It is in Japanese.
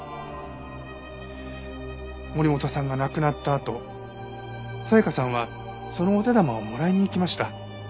森本さんが亡くなったあと紗香さんはそのお手玉をもらいに行きました。